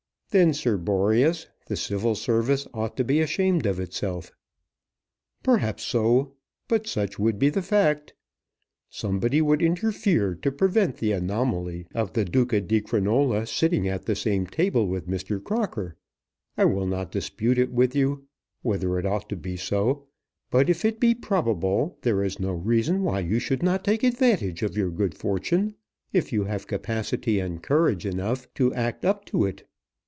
"Then, Sir Boreas, the Civil Service ought to be ashamed of itself." "Perhaps so; but such would be the fact. Somebody would interfere to prevent the anomaly of the Duca di Crinola sitting at the same table with Mr. Crocker. I will not dispute it with you, whether it ought to be so; but, if it be probable, there is no reason why you should not take advantage of your good fortune, if you have capacity and courage enough to act up to it.